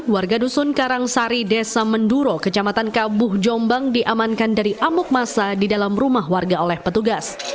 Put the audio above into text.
warga dusun karangsari desa menduro kecamatan kabuh jombang diamankan dari amuk masa di dalam rumah warga oleh petugas